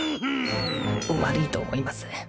悪いと思います